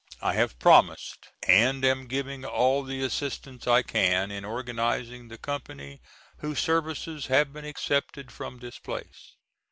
I have promised, and am giving all the assistance I can in organizing the company whose services have been accepted from this place.